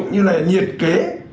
như là thiết kế